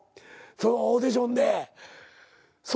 オーディションで。